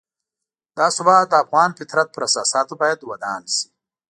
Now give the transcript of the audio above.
دا ثبات د افغان فطرت پر اساساتو باید ودان شي.